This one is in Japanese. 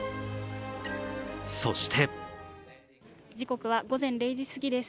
そして時刻は午前０時過ぎです。